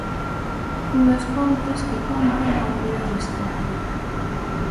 Unhas contas que contan co apoio de Esquerra.